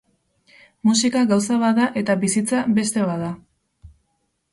Musika gauza bat da eta bizitza beste bat da.